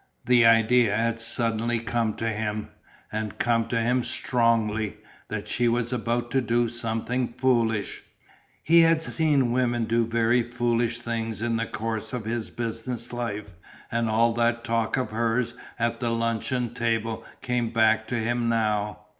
The idea had suddenly come to him, and come to him strongly, that she was about to do "something foolish." He had seen women do very foolish things in the course of his business life and all that talk of hers at the luncheon table came back to him now.